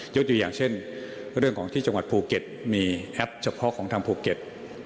ตัวอย่างเช่นเรื่องของที่จังหวัดภูเก็ตมีแอปเฉพาะของทางภูเก็ต